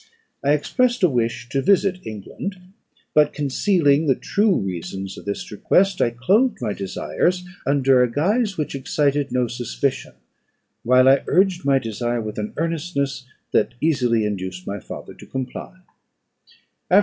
I expressed a wish to visit England; but, concealing the true reasons of this request, I clothed my desires under a guise which excited no suspicion, while I urged my desire with an earnestness that easily induced my father to comply.